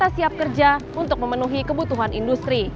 siap kerja untuk memenuhi kebutuhan industri